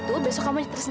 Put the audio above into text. tadi udah bisa jalan